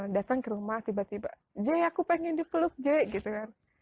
datang ke rumah tiba tiba y aku pengen dipeluk j gitu kan